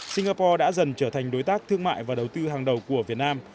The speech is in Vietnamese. singapore đã dần trở thành đối tác thương mại và đầu tư hàng đầu của việt nam